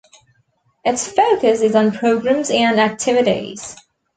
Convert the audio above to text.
Its focus is on programs and activities.